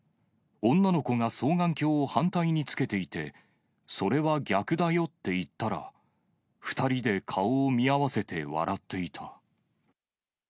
女の子が双眼鏡を反対につけていて、それは逆だよって言ったら、２人で顔を見合わせて笑っていた。